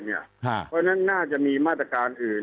เพราะฉะนั้นน่าจะมีมาตรการอื่น